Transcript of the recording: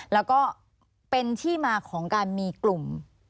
แล้วก็เป็นที่มาของการมีกลุ่ม